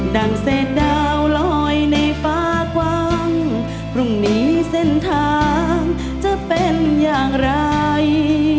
่งเศษดาวลอยในฟ้ากว้างพรุ่งนี้เส้นทางจะเป็นอย่างไร